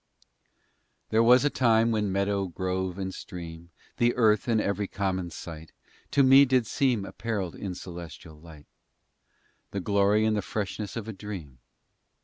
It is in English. There was a time when meadow, grove, and stream, The earth, and every common sight, To me did seem Apparelled in celestial light, The glory and the freshness of a dream.